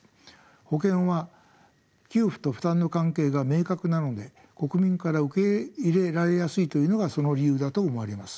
保険は給付と負担の関係が明確なので国民から受け入れられやすいというのがその理由だと思われます。